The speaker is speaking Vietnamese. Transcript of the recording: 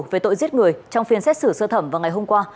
về tội giết người trong phiên xét xử sơ thẩm vào ngày hôm qua